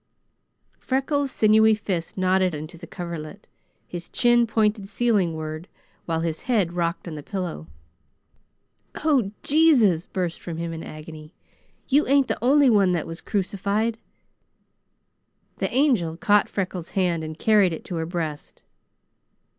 Freckles' sinewy fist knotted into the coverlet. His chin pointed ceilingward while his head rocked on the pillow. "Oh, Jesus!" burst from him in agony. "You ain't the only one that was crucified!" The Angel caught Freckles' hand and carried it to her breast.